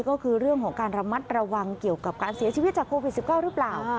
ก็คือเรื่องของการระมัดระวังเกี่ยวกับการเสียชีวิตจากโควิด๑๙หรือเปล่า